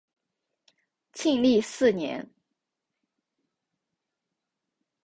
庆历四年。